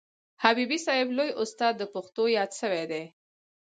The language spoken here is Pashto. حبیبي صاحب لوی استاد د پښتو یاد سوی دئ.